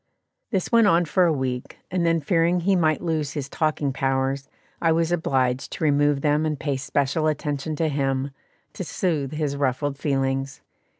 This went on for a week, and then fearing he might lose his talking powers, I was obliged to remove them and pay special attention to him, to soothe his ruffled feelings.